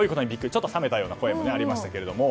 ちょっと冷めたような声もありましたけども。